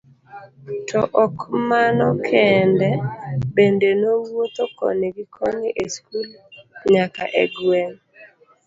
To ok mano kende, bende nowuotho koni gi koni e skul nyaka e gweng'.